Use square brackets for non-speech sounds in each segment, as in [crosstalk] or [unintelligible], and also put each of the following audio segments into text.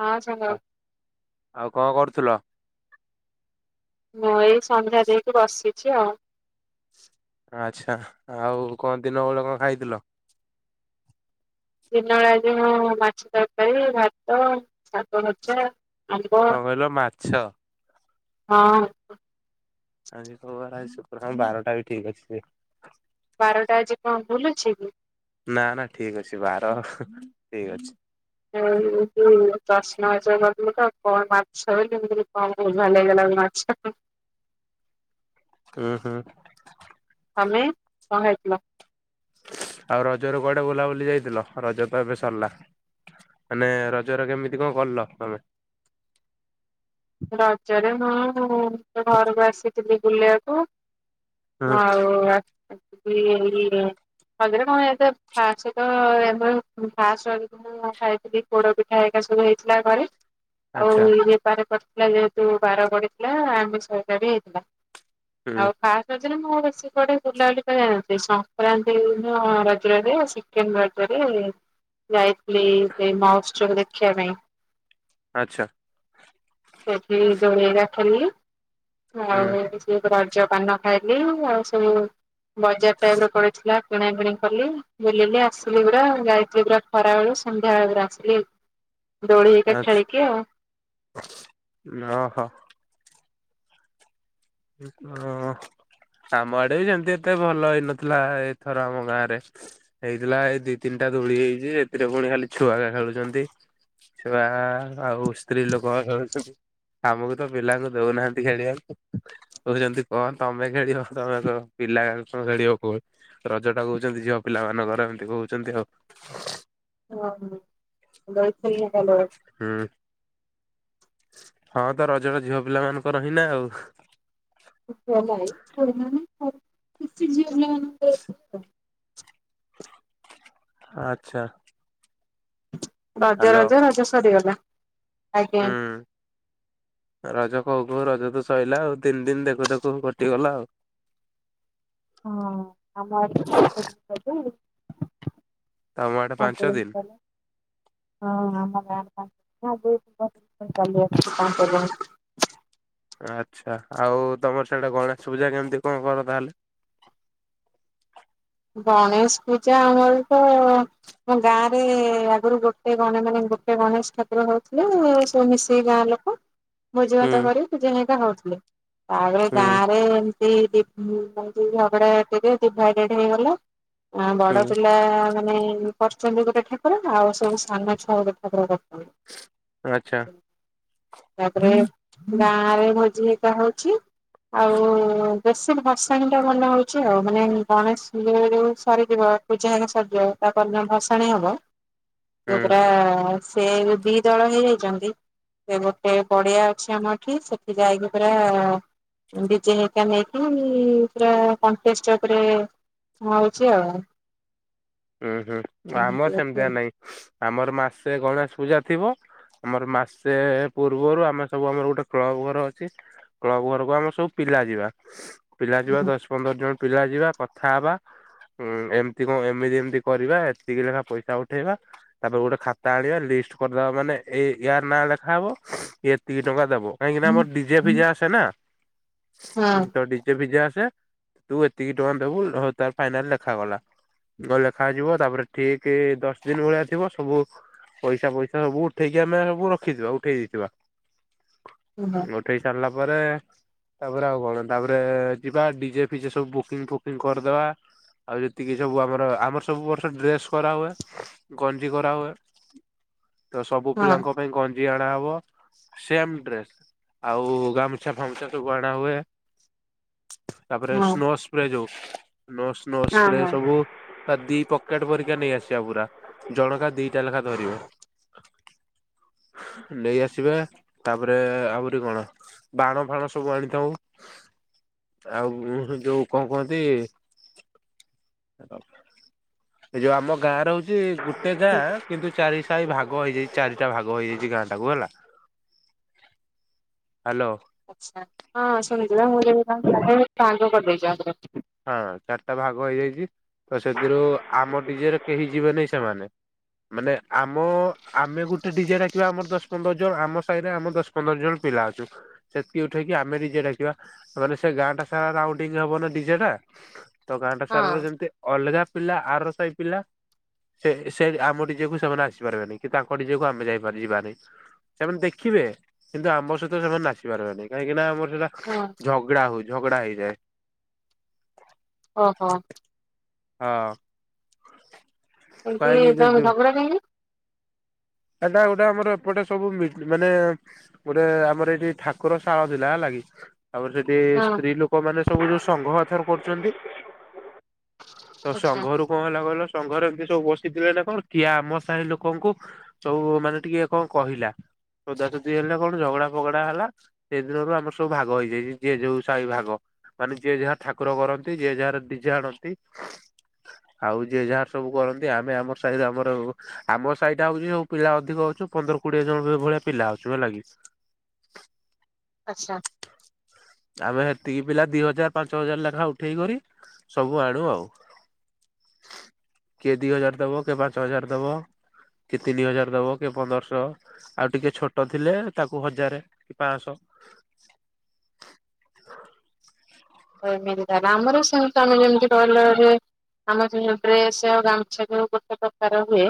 ହଁ ସାଙ୍ଗ। ଆ- ଆଉ କଣ କରୁଥିଲ? ମୁଁ ଏଇ ସନ୍ଧ୍ୟା ଦେଇକି ବସିଛି ଆଉ। ଆଚ୍ଛା, ଆଉ କଣ ଦିନ ବେଳା କଣ ଖାଇଥିଲ? ଦିନବେଳା ଆଜି ମୁଁ ମାଛ ତରକାରୀ, ଭାତ, ଶାଗ ଭଜା। ଆମ୍ୱ ହଁ। କଣ କହିଲ ମାଛ। ଆଜି ତମର ଶୁକ୍ରବାର ହଁ ବାରଟା ବି ଠିକ ଅଛି ଯେ। ବାରଟା ଆଜି କଣ ଭୁଲ୍ ଅଛି କି? ନା ନା ଠିକ୍ ଅଛି ବାର ଠିକ୍ ଅଛି। [unintelligible] ଆଚଛା। ହୁଁ ହୁଁ। ତମେ କଣ ଖାଇଥିଲ? ଆଉ ରଜରେ କୁଆଡେ ବୁଲାବୁଲି ଯାଇଥିଲ ରଜ ତ ଏବେ ସରିଲା। ମାନେ ରଜରେ କେମିତି କଣ କରିଲ ତମେ? ରଜରେ ହଁ ମୁଁ ଘରକୁ ଆସିଥିଲି ବୁଲିବାକୁ। ହୁଁ ମୁଁ ଆଉ ଆସିପାରିବିକି ଏଇନେ। ହଜାରେ କଣ ଏତେ ଫାଷ୍ଟେ ତ ଏବେରୁ ଫାଷ୍ଟ ର। [unintelligible] ମୁଁ ଯାହା ଖାଇଥିଲି ପୋଡ ପିଠା ହେରିକା ସବୁ ହେଇଥିଲା ଘରେ। ଆଉ ଆଚ୍ଛା ଇ ବେପାର କରିଥିଲା ଯେହେତୁ ବାର ପଡିଥିଲା ଆମିଷ ଘରିକା ବି ହେଇଥିଲା। ହୁଁ ଆଉ ଫାଷ୍ଟ। ରଦରେ ମୁଁ ଆଉ ବେଶୀ କୁଆଡେ ବୁଲାବୁଲି କରି ଯାଇନଥିଲି ସଂକ୍ରାନ୍ତି ଦିନ ରଜରେ ଆସି। [unintelligible] ରେ ଯାଇଥିଲି ସେଇ ମାଉସି ଝିଅ କୁ ଦେଖିବା ପାଇଁ। ଆଚ୍ଛା। ସେଠି ଦୋଳେଇ ରଖିଲି ଆଉ ହୁଁ ହେରା କିଛି। ଏକ ରଜ ପାନ ଖାଇଲି ଆଉ ସବୁ ବଜାର ଟାଇପର ପଡିଥିଲା। କିଣାକିଣି କଲି ବୁଲିଲି ଆସିଲି ପୁରା ଯାଇଥିଲି ପୁରା ଖରାବେଳୁ ସନ୍ଧ୍ୟାବେଳେ ପୁରା ଆସିଲି। ହ। ଦୋଳି ହେରିକା ଖେଳିକି ଆଉ। ଓହ। ଓ ଆମଆଡେ ବି ସେମତି ଏତେ ଭଲ ହେଇନଥିଲା ଏଇଥର ଆମ ଗାଁରେ। ହେଇଥିଲା ଏଇ ଦି ତିନଟା ଦୋଳି ହେଇଛି ଏଥିରେ ପୁଣି ଖାଲି ଛୁଆରା ଖେଳୁଛନ୍ତି। ଛୁଆ ଆଉ ସ୍ତ୍ରୀ ଲୋକରା ଖେଳୁଛନ୍ତି। ଆମୁକୁ ତ ପିଲାଙ୍କୁ ଦଉନାହାନ୍ତି ଖେଳିବାକୁ। କହୁଛନ୍ତି କଣ ତମେ ଖେଳିବ ତମେ ତ ପିଲାରାକ କଣ ଖେଳିବ କୁଣ। ରଜ ଟା କହୁଛନ୍ତି ଝିଅ ପିଲା ମାନଙ୍କର ଏମତି କହୁଛନ୍ତି ଆଉ। ହଁ ହଁ ଯାଇଥିଲି [unintelligible] ହୁଁ। ହଁ ତ ରଜର ଝିଅ ପିଲା ମାନଙ୍କର ହିଁ ନା ଆଉ। [unintelligible] ଆଚ୍ଛା। ରଜ ହ୍ୟାଲୋ ରଜ ରଜ ସରିଗଲା ଆଜ୍ଞା। ହୁଁ ରଜ କହୁ କହୁ ରଜ ତ ସଇଲା ଆଉ ତିିନ ଦିନ ଦେଖୁ ଦେଖୁ କଟିଗଲା ଆଉ। ହଁ ଆମ [unintelligible] ତମ ଆଡେ ପାଞ୍ଚ ଦିନ [unintelligible] ହଁ ଆମ ଗାଁ [unintelligible] ଚାଲି ଆସଛି କଣ କରିବ ହିଁ। ଆଚ୍ଛା ଆଉ ତମର ସିଆଡେ ଗଣେଶ ପୂଜା କେମତି କଣ କର ତାହେଲେ? ଗଣେଶ ପୂଜା ଆମର ତ। ଆମ ଗାଁ ରେ ଆଗୁରୁ ଗୋଟେ ଗଣେ ମାନେ ଗୋଟେ ଗଣେଶ ଠାକୁର ହଉଥିଲେ ସବୁ ମିଶିକି ଗାଁ ଲୋ [inaudible] ଭୋଜିଭାତ କରି ପୂଜା ହେରିକା ହଉଥିଲେ ତାପରେ ହୁଁ ଗାଁ ରେ। ଏଇ ଦି ତିନ ପାଇଁକି ଝଗଡ଼ା ଝାଟିରେ ଡ଼ିଭାଇଡଡେଡ ହେଇଗଲା। ଗାଁ ବଡ଼ ହୁଁ ପିଲା ମାନେ। କରଛନ୍ତି ଗୋଟେ ଠାକୁର ଆଉ ସବୁ ସାନ ଛୁଆ ଗୋଟେ ଠାକୁର କରିଛନ୍ତି। ଆଚ୍ଛା। ତାପରେ ଗାଁ ରେ ଭୋଜି ହେରିକା ହଉଛି। ଆଉ ବେଶୀ ଭସାଣି ଟା ଭଲ ହଉଛି ଆଉ ମାନେ। ଗଣେଶ ପୂ ସରିଯିବ ପୂଜା ହେରିକା ସରିଯିବ ତାପରଦିନ ଭସାଣି ହବ। ସେ ହୁଁ ପୁରା ସେ ଯୋଉ ଦି ଦଳ ହେଇଯାଇଚନ୍ତି। ସେ ଗୋଟେ ପଡିଆ ଅଛି ଆମ ଏଠି ସେଠି ଯାଇକି ପୁରା। ଡିଜେ ହେକା ନେଇକି ପୁରା କଣ୍ଟେଷ୍ଟ ଚା ଉପରେ। ହଉଛି ଆଉ। ଉଁ ହୁଁ ଆମର ଏମିତି ଅଛି ସେମିତିଆ ଆଉ। ନାଇଁ ଆମର ମାସେ ଗଣେଶ ପୂଜା ଥିବ। ଆମର ମାସେ ପୂର୍ବରୁ ଆମେ ସବୁ ଆମର ଗୋଟେ କ୍ଳବ ଘର ଅଛି। କ୍ଲବ୍ ଘରକୁ ଆମେ ସବୁ ପିଲା ଯିବା। ପିଲା ଯିବା ହଁ ଦଶ, ପନ୍ଦର ଜଣ ପିଲା ଯିବା କଥା ହବା ଉଁ ଏମିତି କଣ ଏମିତି ଏମ କରିବା ଏତିକି ଲେଖା ପଇସା ଉଠେଇବା। ତାପରେ ଗୋଟେ ଖାତା ଆଣିବା ଲିଷ୍ଟ କରିଦବା ମାନେ ଏଇ ୟାର ନାଁ ଲେଖାହବ ଇଏ ଏତିକି ଟଙ୍କା ଦେବ। କାହିଁକି ନା ଆମର ଡି ଜେ ଫିଜେ ଆସେ ନା ଉଁ ତ ହଁ ଡ଼ି ଡି ଜେ ଫିଜେ ଆସେ ତୁ ଏତିକି ଟଙ୍କା ଦେବୁ ହଁ ତାର ଫାଇନାଲ ଲେଖାଗଲା ଗଲା ଖା ଯିବ ତାପରେ ଠିକ ଦଶ ଦିନ ଭଳିଆ ଥିବ ସବୁ। ପଇସା ପଇସା ସବୁ ଉଠେଇକି ଆମେ ସବୁ ରଖିଥିବା ଉଠେଇ ଦେଇଥିବା ଉ ଉଠେଇ ସାରିଲା ପରେ। ତାପରେ ଆଉ କଣ ତାପରେ ଯିବା ଡି ଜେ ଫିଜେ ସବୁ ବୁକିଙ୍ଗ ଫୁକିଙ୍ଗ କରିଦବା। ଆଉ ଯେତିକି ସବୁ ଆମର ଆମର ସବୁ ବର୍ଷ ଡ୍ରେସ କରା ହୁଏ ଗଞ୍ଜି କରାହୁଏ ତ ସବୁ ହଁ। ପିଲାଙ୍କ। ପାଇଁ ଗଞ୍ଜି ଅଣାହବ। ସେମ ଡ୍ରେସ ଆଉ ଗାମୁଛା ଫାମୁଛା ସବୁ ଅଣା ହୁଏ। ତାପରେ ହଁ ସ୍ନୋ ସ୍ପ୍ରେ ଯୋଉ ସ୍ନୋ ସ୍ନୋ ସ୍ପ୍ରେ ହଁ। ସବୁ। ବା ଦି ପକେଟ ପରିକା ନେଇ ଆସିବା ପୁରା ଜଣକା ଦିଟା ଲେଖା ଧରିବେ। ନେଇ ଆସିବା ତାପରେ ଆହୁରି କଣ। ବାଣ ଫାଣ ସବୁ ଆଣିଥାଉ ଆଉ ଯୋଉ କଣ କୁହନ୍ତି। ଏ ଯୋଉ ଆମ ଗାଁ ର ହଉଛି ଗୋଟେ ଗାଁ। କିନ୍ତୁ ଚାରି ସାହି ଭାଗ ହେଇଯାଇଛି ଚାରିଟା ଭାଗ ହେଇଯାଇଛି ଗାଁ ଟା କୁ ହେଲା। ହାଲୋ। ଆଚ୍ଛା ହଁ ଶୁଣିଥିଲା ମୁଁ [unintelligible] ହଁ ଚାରିଟା ଭାଗ ହେଇଯାଇଛି ତ ସେଥିରୁ ଆମ ଡି ଜେ ରେ କେହି ଯିବେନି ସେମାନେ। ମାନେ ଆମ ଆମେ ଗୋଟେ ଡି ଜେ ଡାକିବା ଆମର ଦଶ, ପନ୍ଦର ଜଣ ଆମ ସାହିରେ ଆମ ଦଶ। ପନ୍ଦର ଜଣ ପିଲା ଅଛୁ। ସେତିକି ଉଠେଇକି ଆମେ ଡି ଯେ ଡାକିବା ମାନେ ସେ ଗାଁ ଟା ସାରା ରାଉଣ୍ଡିଙ୍ଗ ହବ ନା ଡ଼ି ଯେ ଟା ତ ଗାଁଟା ହଁ ସାରାର ଯେମିତି ଅଲଗା ପିଲା ଆର ସେହି ପିଲା। ସେ ସେ ଆମ ଡି ଜେ କୁ ସେମାନେ ଆସିପାରିବେନି କି ତାଙ୍କ ଡି ଜେ କୁ ଆମେ ଯାଇପାରି ଯିବାନି। ସେମାନେ ଦେଖିବେ କିନ୍ତୁ ଆମ ସହିତ ସେମାନେ ନାଚିପାରିବେନି କାହିଁକି ନା ଆମର ସେଟା। ହଁ। ଝଗଡା ହଉ ଝଗଡା ହେଇଯାଏ। ଓହୋ। ହଁ। କାହିଁକି ଏମିତି ତମ ଯେ ଝଗଡ଼ା କାହିଁକି? ଏଟା ଗୋଟେ ଆମର ଏପଟେ ସବୁ ମି ମାନେ। ଗୋଟେ ଆମର ଏଇଠି ଠାକୁର ଶାଳ ଥିଲା ହେଲା କିି ତାପରେ ସେ ଏ ହଁ ସ୍ତ୍ରୀ ଲୋକମାନେ ସବୁ ଯୋଉ ସଂଘ ଏଥର କରୁଛନ୍ତି। ତ ଆଚ୍ଛା ସଂଘରୁ। କଣ ହେଲା କହିଲ ସଂଙ୍ଘରେ ଏମୀତି ସବୁ ବସିଥିଲେ ନା କଣ କିଏ ଆମ ସାହି ଲୋକଙ୍କୁ। ସବୁ ମାନେ ଟିକେ କଣ କହିଲା ସୋଦା ସୋଦି ହେଲା କଣ ଝଗଡା ଫଗଡା ହେଲା। ସେ ଦିନରୁ ଆମର ସବୁ ଭାଗ ହେଇଯାଇଛି ଯିଏ ଯୋଉ ସାହି ଭାଗ। ମାନେ ଯିଏ ଯାହା ଠାକୁର କରନ୍ତି ଯିଏ ଯାହାର ଡି ଯେ ଆଣନ୍ତି। ଆଉ ଯିଏ ଯାହାର ସବୁ କରନ୍ତି ଆମେ ଆମର ସାହିରେ ଆମର ଆମ ସାହିଟା ହଉଛି ଯୋଉ ପିଲା ଅଧିକ ଅଛୁ ପନ୍ଦର କୋଡିଏ ଜଣ ଭଳିଆ ପିଲା ଅଛି ହେଲା କି। ଆଚ୍ଛା। ଆମେ ହେତିକି ପିଲା ଦି ହଜାର ପାଞ୍ଚ ହଜାର ଲେଖାଁ ଉଠେଇ କରି ସବୁଆଡୁ ଆଉ। କିଏ ଦି ହଜାର ଦବ କିଏ ପାଞ୍ଚ ହଜାର ଦବ। କିଏ ତିନି ହଜାର ଦବ କିଏ ପନ୍ଦରଶହ। ଆଉ ଟିକେ ଛୋଟ ଥିଲେ ତାକୁ ହଜାରେ କି ପାଂସହ। [inaudible] ଅ ଏମିତି ତାଲେ ଆମର ସେଇ [unintelligible] ଆମର ସେ ଯୋଉ ଡ୍ରେସ ଆଉ ଗାମୁଛା କିଣିବୁ ଗୋଟେ ପ୍ରକାର ହୁଏ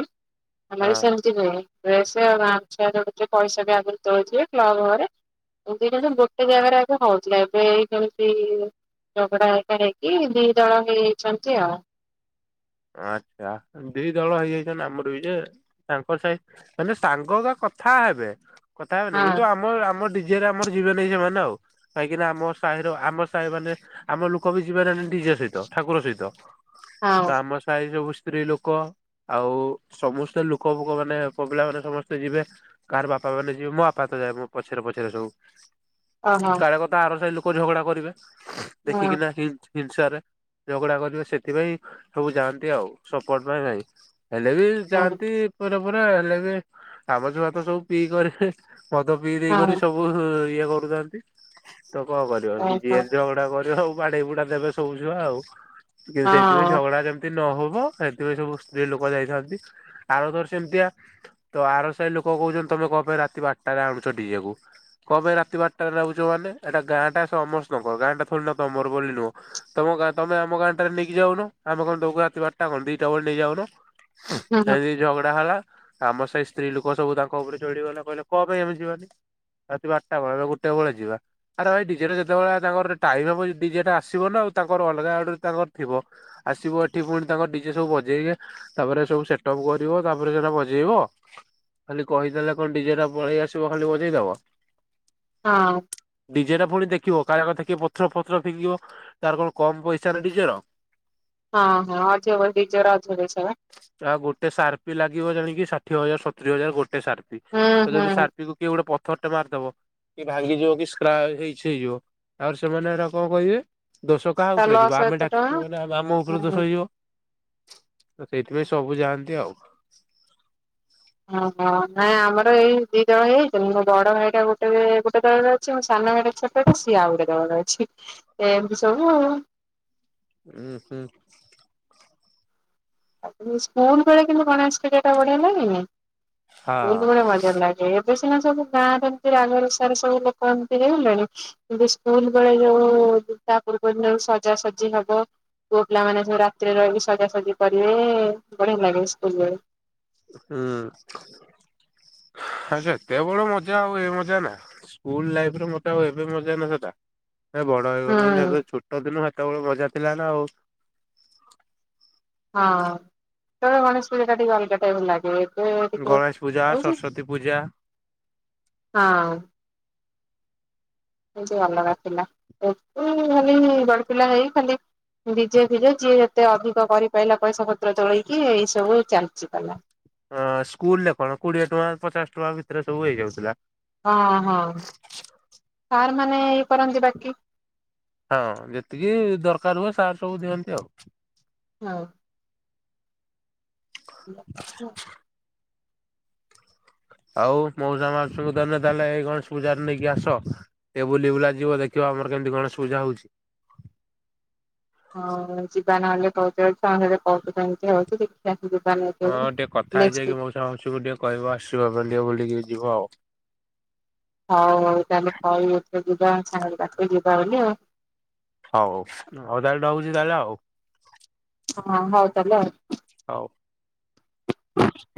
ଆମେ ହଁ ବି ସେମ। ଯେ କୁହେ ଡ୍ରେସ ଆଉ ଗାମୁଛା [inaudible] ପଇସା ବି ଆଗରୁ ତୋଳେଇଥିବେ କ୍ଲବ୍ ଘରେ। [unintelligible] ଗୋଟେ ଜାଗାରେ ଆଗ ହଉଛି ଏବେ ଏଇଠି ଇମିତି। ଝଗଡା ଏକେରେ ହେଇକି ଦି ଦଳ ହେଇଯଇଛନ୍ତି ଆଉ। ଆଚ୍ଛା ଦି ଦଳ ହେଇଯାଇଛନ୍ତି ଆମର ବି ଯେ। ତାଙ୍କର ସାହି ମାନେ ସାଙ୍ଗ କରା କଥା ହେବେ କଥା ହେବେନି ହଁ କିନ୍ତୁ ଆମ ଆମଡି ଡିଯେ ରେ ଆମର ଯିବେନି ସେମାନେ ଆଉ। କାହିଁକି ନା ଆମ ସାହିର ଆମ ସାହି ମାନେ ଆମ ଲୋକ ବି ଯିବେ ନା ଡିଜେ ସହିତ ଠାକୁର ସହିତ। ହଁ। ତ ଆମ ସାହି ସବୁ ସ୍ତ୍ରୀ ଲୋକ। ଆଉ ସମସ୍ତେ ଲୋକ ବୁକ ମାନେ ପୁଆପିଲା ମାନେ ସମସ୍ତେ ଯିବେ। କାହାର ବାପା ମାନେ ଯିବେ ମୋ ବାପା ତ ଯାଏ ମୋ ପଛରେ ପଛରେ ସବୁ। ଓହୋ। କାଳେ କଥା ଆର ସାହି ଲୋକ ଝଗଡା କରିବେ ଦେଖିକିନା ହଁ ହିଣ୍ଟ ହିଂସାରେ ଝଗଡା କରିବେ ସେଥିପାଇଁ ସବୁ ଯାଆନ୍ତି ଆଉ ସପୋର୍ଟ ପାଇଁ ନାଇଁ। ହେଲେ ବି ହଁ ଯାଆନ୍ତି ପର ପରା ହେଲେ ବି ଆମଛୁଆ ତ ସବୁ ପିଇ କରିବେ। ମଦ ପିଇ ଦେଇକରି ହଁ ସବୁ ଇଏ କରୁଚନ୍ତି। ତ କଣ କରିବ ଓହୋ ହଁ ହୁଁ ଯିଏ ଝଗଡା କରିବ ଆଉ ବାଡେଇ ବୁଡା ଦେବେ ସବୁ ଛୁଆ ଆଉ। ସିଏ ସେଇଥିପାଇଁ। ଝଗଡ଼ା ଯେମିତି ନହବ ସେଥିପାଇଁ ସବୁ ସ୍ତ୍ରୀ ଲୋକ ଯାଇଥାନ୍ତି ଆଉ ଧର ସେମିତିଆ ତ ଆର ସାଇ ଲୋକ କହୁଛନ୍ତି ତମେ କ ପାଇଁ ରାତି ବାରଟାରେ ଆଣୁଛ ଡିଯେ କୁ। କ ପାଇଁ ରାତି ବାରଟାରେ ନାଗୁଛ ମାନେ ଏଟା ଗାଁଟା ସେ ସମରସ୍ତଙ୍କର ଗାଁ ଟା ଥୋଡ଼ି ନା ତମର ବୋଲି ନୁହଁ। ତମ ଗାଁ ତମେ ଆମ ଗାଁଠାରେ ନେଇକି ଯାଉନ। ଆମେ କଣ ଦଉ ରାତି ବାରଟା କଣ ଦିଟା ବେଳେ ନେଇଯାଉନ। ହୁଁ ଝଗଡା ହେଲା ଆମ ଶାଇ ସ୍ତ୍ରୀ ଲୋକ ସବୁ ତାଙ୍କ ଉପରେ ଚଢିଗଲେ କହିଲେ କଣ ପାଇଁ ଆମେ ଯିବାନି। ରାତି ବାରଟା ବେଳେ ଗୋଟେ ବେଳେ ଯିବା। ଆରେ ଭାଇ ଡିଜେ ଟା ଯେତେବେଳେ ତାଙ୍କର ଟାଇମ ହବ ଡିଜେ ଟା ଆସିବ ନା ଆଉ ତାଙ୍କର ଅଲଗା ଆଡୁ ତାଙ୍କର ଥିବ। ଆସିବ ଏଠି ପୁଣି ତାଙ୍କ ଡିଜେ ସବୁ ବଜେଇବେ। ତାପରେ ସବୁ ସେଟ ଅପ୍ କରିବ ତାପରେ ସେଟା ବଜେଇବ। ଖାଲି କହିଦେଲେ କଣ ଡିଜେ ଟା ପଳେଇ ଆସିବ ଖାଲି ବଜେଇଦବ। ହଁ। ଡିଜେରେ ପୁଣି ଦେଖିବ କାଳେ ଦେଖି ପଥର ଫଥର ଫିଙ୍ଗିବ ତାର କଣ କମ ପଇସା ନା ଡିଜେର। ହଁ ହଁ ଅଧିକ [unintelligible] ଡିଜେ ରା ଅଧିକ ପାଇସା ବା। ଆ ଗୋଟେ ସାର୍ପି ଲାଗିବ ଜାଣିକିି ଷାଠିଏ ହଜାର ସତୁରି ହଜାର ଗୋଟେ ସାରପି ହୁଁ ତ ଯଦି ହୁଁ ଶାର୍ପି କୁ କିଏ ଗୋଟେ ପଥର ଟେ ମାରିଦବ କି ଭାଙ୍ଗିଯିବ କି ସ୍କ୍ରାଚ ହେଇ ଶ୍ ହେଇଯିବ ତାପରେ ସେମାନେ ଏ କଣ କହିବେ ଦୋଷ କାହା ତା ଉପରେ ଯିବ, ଲସ୍ ଆମେ ଏତେ ଡାକିଚୁ ଟଙ୍କା ମାନେ ଆମ ଆମ ଉପରେ ହୁଁ। ଦୋଷ ତ ସେଇଥିପାଇଁ ସବୁ ଯାଆନ୍ତି ଆଉ। ଓହୋ ନାଇଁ ଆମର ଏଇ ଦି ଦଳ ହେଇଚି ତ, ମୋ ବଡ ଭାଇଟା ଗୋଟେ ଗୋଟେ ଦଳରେ ଅଛି ମୋ ସାନ ଭାଇଟା ଛୋଟଟା ସିଏ ଆଉ ଗୋଟେ ଦଳରେ ଅଛି। ଏମତି ସବୁ ଆଉ। ଉଁ, ହୁଁ। ସ୍କୁଲ ବେଳେ କିନ୍ତୁ ଗଣେଶ ପୂଜା ଟା ବଢିଆ ଲାଗେନି ନା? ସ୍କୁଲ୍ ହଁ ବେଳେ ମଜା ଲାଗେ। ଏ ଭସାଣି ସବୁ ଗାଁରେ ଏମିତି ରାଗ ରୁସାରେ ସବୁ ଲୋକ ଏମିତି ହେଇ ଗଲେଣି କିନ୍ତୁ ସ୍କୁଲ ବେଳେ ଯୋଉ ତା ପୂର୍ବ ଦିନ ରୁ ସଜାସଜି ହବ ପୁଅ ପିଲାମାନେ ସବୁ ରାତିରେ ରହିକି ସଜାସଜି କରିବେ। ବଢିଆ ଲାଗେ ସ୍କୁଲ ରେ। ହୁଁ, ହଁ ସେତେବେଳ ମଜା ଆଉ ଏ ମଜା ନା ସ୍କୁଲ ଲାଇଫରେ ମଜା ଆଉ ଏବେ ମଜା ନା ସେଟା। ଏବେ ବଡ ହେଇଗଲୁଣି ହୁଁ ଛୋଟ ଦିନ ସେତେବେଳେ ମଜା ଥିଲା ନା ଆଉ। ହଁ, ତ ଗଣେଶ ପୂଜା ଟା ଟିକ ଅଲଗା ଟାଇପ ଲାଗେ। ଏବେ ଟିକେ ଗଣେଶ ପୂଜା, ଏଇ ଯେ ସରସ୍ଵତୀ ପୂଜା, ହଁ। ବହୁତ ଅଲଗା ଥିଲା। ଏ ଖାଲି ବଡ ପିଲା ହେଇ ଖାଲି ଡିଜେ ଫିଜେ ଯିଏ ଯେତେ ଅଧିକ କରିପାରଲା, ପଇସା ପତ୍ର ଚଳେଇକି ଏଇ ସବୁ ଚାଲିଚି ପାଲା। ଅ ସ୍କୁଲ ରେ କଣ କୋଡିଏ ଟଙ୍କା, ପଚାଶ ଟଙ୍କା ଭିତରେ ସବୁ ହେଇଯାଉଥିଲା। ଓଁ ହଁ, ସାର୍ ମାନେ ଇଏ କରନ୍ତି ବାକି। ହଁ, ଯେତିକି ଦରକାର ହୁଏ ସାର୍ ସବୁ ଦିଅନ୍ତି ଆଉ। ହଁ। [inaudible] ଆଉ ମଉସା ମାଉସୀଙ୍କୁ ଧରିକିନା ତାହେଲେ ଏଇ ଗଣେଶ ପୂଜାରେ ନେଇକି ଆସ। ଟିକେ ବୁଲି ବୁଲା ଯିବ ଦେଖିବ ଆମର କେମିତି ଗଣେଶ ପୂଜା ହଉଛି। ହଁ ଯିବା ନହେଲେ କହୁ କହୁଛନ୍ତିମତି ହଉଛି ଦେ [unintelligible] ଚା ଦପାନ ନେକ୍ସଟ [unintelligible] ଚାହୁଁଚୁ ଟିକେ କହିବ ଆସିବ ବୋଲି ଟିକେ ବୁଲିକି ଯିବ ଆଉ। ହଉ ହଉ ତାହେଲେ କହବି ଏଥର ଯିବା ସାଙ୍ଗ ପାଖକୁ ଯିବା ବୋଲି ଆଉ। ହଉ ହଉ ତାହାଲେ ରହୁଚି ତାହାଲେ ଆଉ। ହଁ, ହଉ ତାହାଲେ ଆଉ। ହଉ। [inaudible]